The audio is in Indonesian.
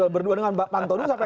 berdua dengan pak pantoni